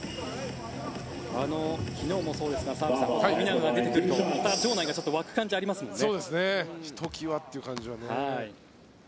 昨日もそうですが富永が出てくると場内が沸く感じありますよね。